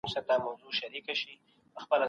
که د چا نیمګړتیا په لاس درسی نو پټه یې مه ساتئ.